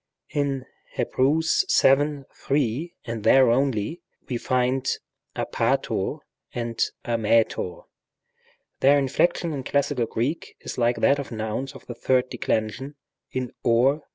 In Heb, vii. 3, and there only, we find ἀπάτωρ and ἀμήτωρ. Their inflection in classical Greek is like that of nouns of the third de clension in wp G.